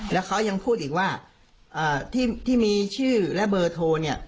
แล้วเขายังพูดอีกว่าที่มีชื่อและเบอร์โทรเนี่ย